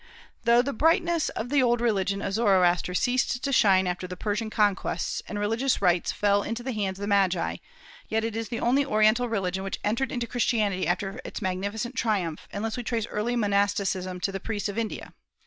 Though the brightness of the old religion of Zoroaster ceased to shine after the Persian conquests, and religious rites fell into the hands of the Magi, yet it is the only Oriental religion which entered into Christianity after its magnificent triumph, unless we trace early monasticism to the priests of India.